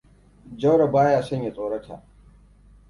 Jauro ba ya son ya tsorata.